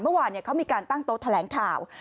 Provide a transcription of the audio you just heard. เมื่อวานเขามีการตั้งโต๊ะแถลงข่าว